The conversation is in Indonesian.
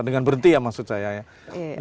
dengan berhenti ya maksud saya ya